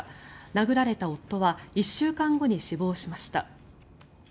殴られた夫は１週間後に死亡しました。